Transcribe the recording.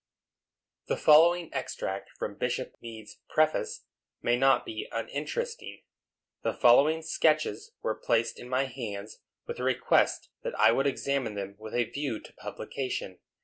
The following extract from Bishop Meade's preface may not be uninteresting. The following sketches were placed in my hands with a request that I would examine them with a view to publication.